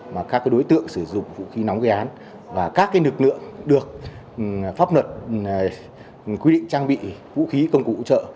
mà các đối tượng sử dụng vũ khí nóng gây án và các lực lượng được pháp luật quy định trang bị vũ khí công cụ hỗ trợ